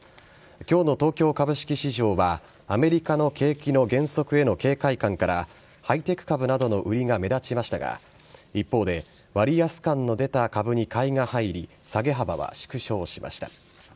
今日の東京株式市場はアメリカの景気の減速への警戒感からハイテク株などの売りが目立ちましたが一方で割安感の出た株に買いが入り下げ幅は縮小しました。